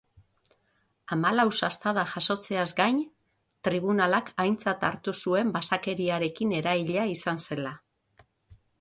Hamalau sastada jasotzeaz gain, tribunalak aintzat hartu zuen basakeriarekin eraila izan zela.